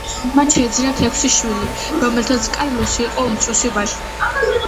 მათ შეეძინათ ექვსი შვილი, რომელთაგან კარლოსი იყო უმცროსი ვაჟი.